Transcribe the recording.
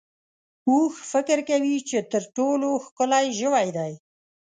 اوښ فکر کوي چې تر ټولو ښکلی ژوی دی.